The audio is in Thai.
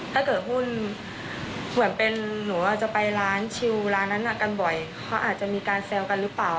ถ้าเกิดหุ้นเหมือนเป็นหนูอาจจะไปร้านชิวร้านนั้นกันบ่อยเขาอาจจะมีการแซวกันหรือเปล่า